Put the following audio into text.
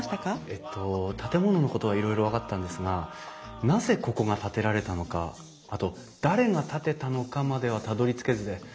えっと建物のことはいろいろ分かったんですがなぜここが建てられたのかあと誰が建てたのかまではたどりつけずで。